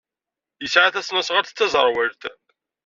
Yesɛa tasnasɣalt d taẓerwalt.